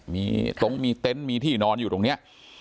มีตรงมีเต็นต์มีที่นอนอยู่ตรงนี้